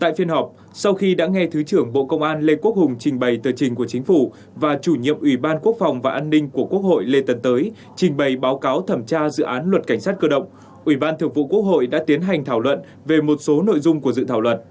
tại phiên họp sau khi đã nghe thứ trưởng bộ công an lê quốc hùng trình bày tờ trình của chính phủ và chủ nhiệm ủy ban quốc phòng và an ninh của quốc hội lê tấn tới trình bày báo cáo thẩm tra dự án luật cảnh sát cơ động ủy ban thượng vụ quốc hội đã tiến hành thảo luận về một số nội dung của dự thảo luật